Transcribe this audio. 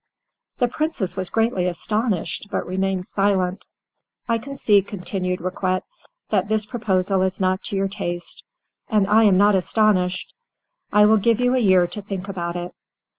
The Princess was greatly astonished, but remained silent. "I can see," continued Riquet, "that this proposal is not to your taste, and I am not astonished. I will give you a year to think about it."